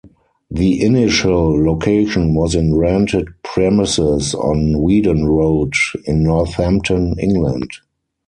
The initial location was in rented premises on Weedon Road in Northampton, England.